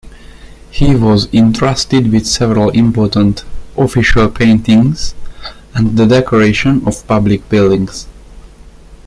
He was entrusted with several important official paintings and the decoration of public buildings.